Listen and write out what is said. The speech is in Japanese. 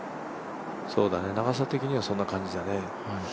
長さ的にはそんな感じだね。